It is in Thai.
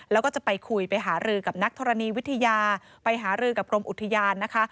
แล้วก็จะไปคุยไปหารือกับนักธรณีวิทยาไปหารือกับกรมอุทยานนะคะ